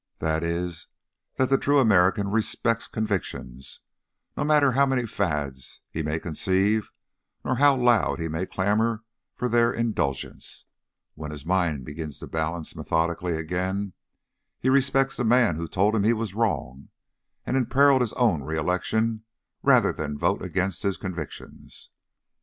"That is, that the true American respects convictions; no matter how many fads he may conceive nor how loud he may clamour for their indulgence, when his mind begins to balance methodically again, he respects the man who told him he was wrong and imperilled his own re election rather than vote against his convictions.